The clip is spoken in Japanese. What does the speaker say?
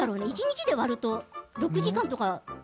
一日で割ると６時間とか？